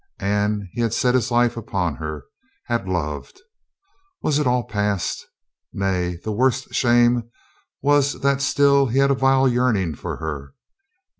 And he had set his life upon her. Had loved? Was it all past? Nay, the worst shame was that still he had a vile yearning for her.